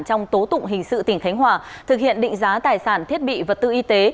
trong tố tụng hình sự tỉnh khánh hòa thực hiện định giá tài sản thiết bị vật tư y tế